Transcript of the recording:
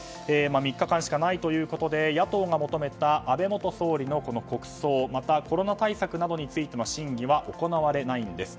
３日間しかないということで野党が求めた安倍元総理の国葬またコロナ対策についての審議は行われないんです。